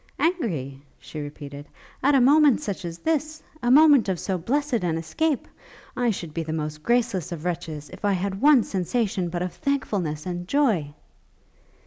'Angry!' she repeated, 'at a moment such as this! a moment of so blessed an escape! I should be the most graceless of wretches, if I had one sensation but of thankfulness and joy!'